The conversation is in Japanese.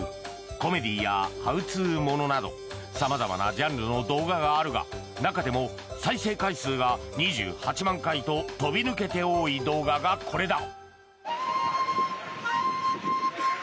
コメディーやハウツーものなど様々なジャンルの動画があるが中でも再生回数が２８万回と飛び抜けて多い動画がこれだ。